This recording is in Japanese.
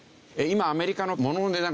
今アメリカの。